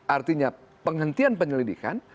artinya penghentian penyelidikan